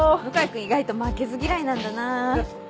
君意外と負けず嫌いなんだな。